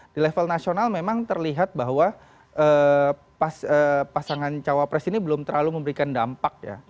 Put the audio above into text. di level nasional memang terlihat bahwa pasangan cawapres ini belum terlalu memberikan dampak ya